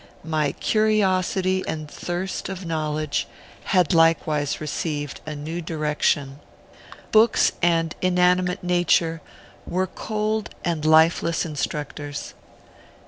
My curiosity and thirst of knowledge had likewise received a new direction. Books and inanimate nature were cold and lifeless instructors.